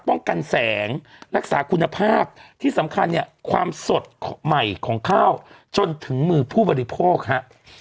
ป้องกันแสงรักษาคุณภาพที่สำคัญเนี่ยความสดใหม่ของข้าวจนถึงมือผู้บริโภคฮะ